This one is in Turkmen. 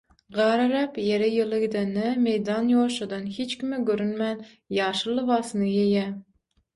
Gar eräp, ýere ýyly gidende, meýdan ýuwaşjadan, hiç kime görünmän, ýaşyl lybasyny geýýär.